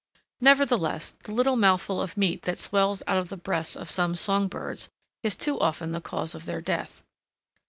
Nevertheless, the little mouthful of meat that swells out the breasts of some song birds is too often the cause of their death.